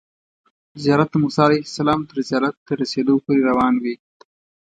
زیارت د موسی علیه السلام تر زیارت ته رسیدو پورې روان وي.